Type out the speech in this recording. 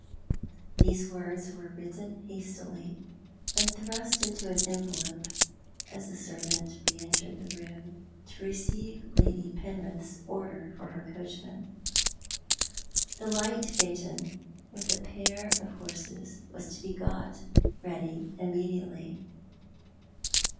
Those words were written hastily, and thrust into an envelope as the servant re entered the room to receive Lady Penrith's order for her coachman. The light phaeton, with a pair of horses, was to be got ready immediately.